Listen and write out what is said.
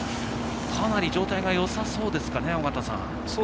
かなり状態がよさそうですかね、尾方さん。